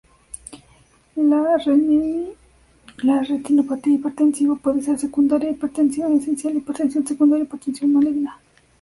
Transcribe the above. La retinopatía hipertensiva puede ser secundaria a hipertensión esencial, hipertensión secundaria o hipertensión maligna.